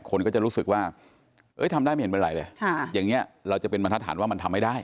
คนก็จะรู้สึกว่าทำได้ไม่เห็นเป็นไรเลยอย่างนี้เราจะเป็นบรรทัศนว่ามันทำไม่ได้